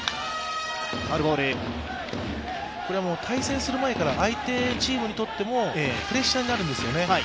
対戦する前から相手チームにとってもプレッシャーになるんですよね。